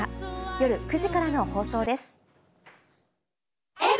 夜９時からの放送です。